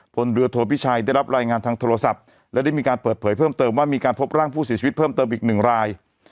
พลเรือโทพิชัยได้รับรายงานทางโทรศัพท์และได้มีการเปิดเผยเพิ่มเติมว่ามีการพบร่างผู้เสียชีวิตเพิ่มเติมอีกหนึ่งราย